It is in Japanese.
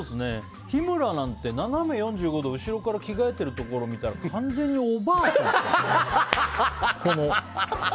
日村なんて斜め４５度後ろから着替えてるところ見たら完全におばあちゃん。